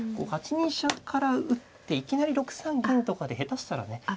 ８二飛車から打っていきなり６三銀とかで下手したらね。